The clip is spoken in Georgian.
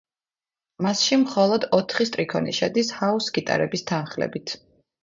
მასში მხოლოდ ოთხი სტრიქონი შედის, ჰაუს გიტარების თანხლებით.